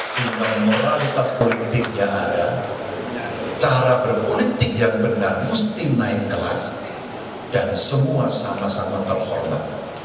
sehingga moralitas politiknya ada cara berpolitik yang benar mesti naik kelas dan semua sama sama terhormat